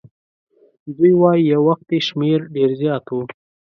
دوی وایي یو وخت یې شمیر ډېر زیات وو.